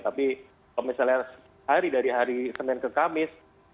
tapi kalau misalnya hari dari hari senin ke kamis